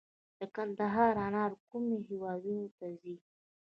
د کندهار انار کومو هیوادونو ته ځي؟